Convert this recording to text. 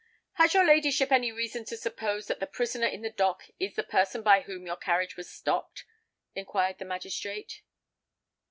"Has your ladyship any reason to suppose that the prisoner in the dock is the person by whom your carriage was stopped?" inquired the magistrate.